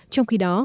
trong khi đó